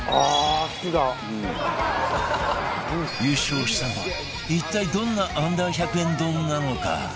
優勝したのは一体どんな Ｕ−１００ 円丼なのか？